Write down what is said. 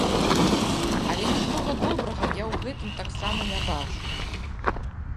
Але нічога добрага я ў гэтым таксама не бачу.